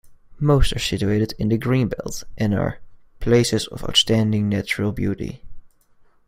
Most are situated in the green-belt and are 'places of outstanding natural beauty'.